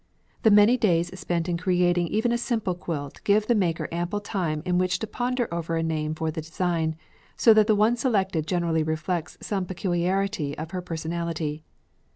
The many days spent in creating even a simple quilt give the maker ample time in which to ponder over a name for the design, so that the one selected generally reflects some peculiarity in her personality.